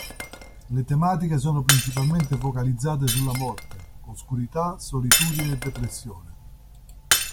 Le tematiche sono principalmente focalizzate sulla morte, oscurità, solitudine e depressione.